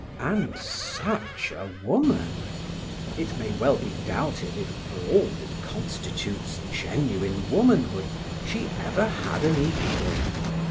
And such a woman! It may well be doubted if, for all that constitutes genuine womanhood, she ever had an equal.